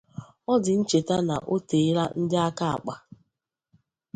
Ọ dị ncheta na o tèéla ndị aka àkpà